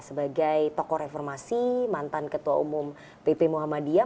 sebagai tokoh reformasi mantan ketua umum ppmuhammadiyah